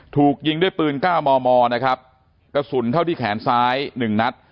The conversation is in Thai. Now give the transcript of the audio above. ถูกยิงด้วยปืนเก้ามอมอนะครับกระสุนเข้าที่แขนซ้ายหนึ่งนัด